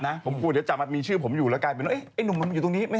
แต่จีบแล้วไม่ให้ขอวันนี้